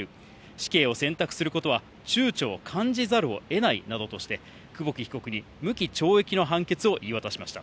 死刑を選択することはちゅうちょを感じざるをえないなどとして、久保木被告に無期懲役の判決を言い渡しました。